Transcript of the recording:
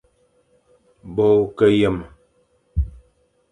Bo ke yeme,